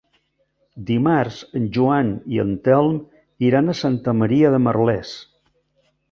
Dimarts en Joan i en Telm iran a Santa Maria de Merlès.